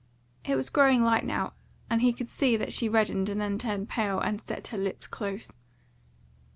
It was growing light now, and he could see that she reddened and then turned pale and set her lips close.